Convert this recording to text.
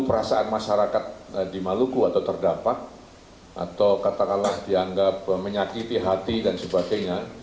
perasaan masyarakat di maluku atau terdampak atau katakanlah dianggap menyakiti hati dan sebagainya